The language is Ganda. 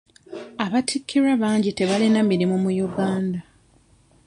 Abattikirwa bangi tebalina mirimu mu Uganda.